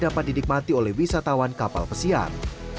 kira kira dapat didikmati oleh wisatawan kapal pesiar